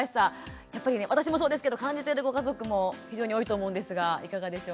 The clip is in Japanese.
やっぱりね私もそうですけど感じてるご家族も非常に多いと思うんですがいかがでしょう？